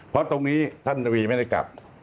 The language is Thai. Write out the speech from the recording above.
เพราะตรงนี้ท่านทวีไม่ได้กลับ